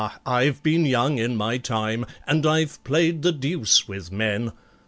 I've been young in my time, and I've played the deuce with men!